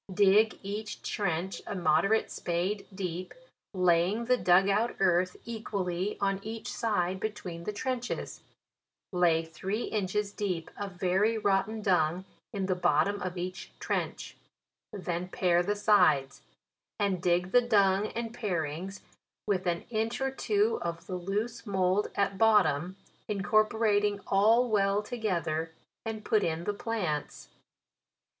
" Dig each trench a moderate spade deep, laying the dug out earth equally on each side between the trenches* Lay three inches deep of very rotten dung in the bottom of each trench ; then pare the sides, and dig the dung and parings with an inch or two of the loose mould at bottom, incorporating all well to gether, and put in the plants.